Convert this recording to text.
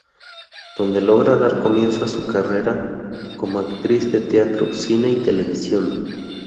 Donde logra dar comienzo a su carrera como actriz de teatro, cine y televisión.